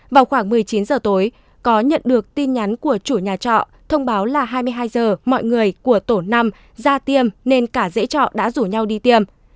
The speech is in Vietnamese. vào khoảng một mươi chín h tối có nhận được tin nhắn của chủ nhà trọ thông báo là hai mươi hai h mọi người của tổ năm ra tiêm nên cả dễ trọ đã rủ nhau đi tiêm